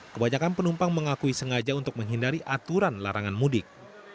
kebanyakan penumpang mengakui sengaja untuk menghindari aturan larangan mudik